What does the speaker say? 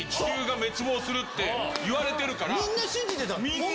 みんな信じてた。